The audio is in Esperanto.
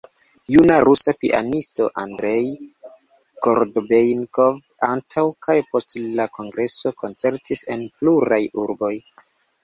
Juna rusa pianisto Andrej Korobejnikov antaŭ kaj post la kongreso koncertis en pluraj urboj.